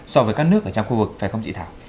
so với các nước ở trong khu vực phải không dị thảo